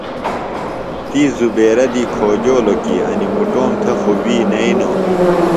تی زبیرہ دی کھوجولوۡ کی انیۡ مُٹوم تھےۡ خُوۡ وی نئینوۡ۔